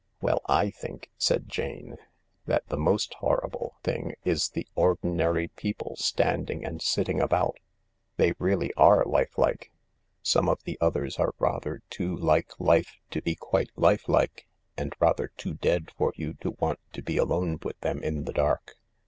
"Well, I think," said Jane f "that the most horrible 104 THE LARK thing is the ordinary people, standing and sitting about— they really are lifelike ; some of the others are rather too like life to be quite lifelike and rather too dead for you to want to be alone with them in the dark.